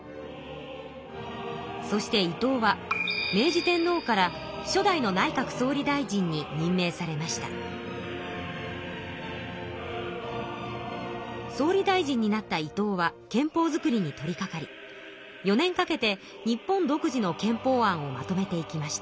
そして伊藤は明治天皇から総理大臣になった伊藤は憲法作りに取りかかり４年かけて日本独自の憲法案をまとめていきました。